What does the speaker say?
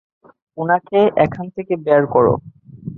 ওনাকে এখান থেকে বের করো।